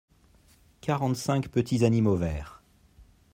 quarante cinq petits animaux verts.